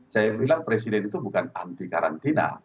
saya bilang presiden itu bukan anti karantina